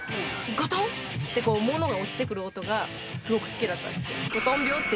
ゴトンってものが落ちてくる音がすごく好きだったんですよ